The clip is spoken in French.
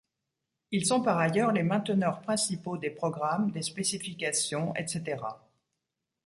Ils sont par ailleurs les mainteneurs principaux des programmes, des spécifications, etc.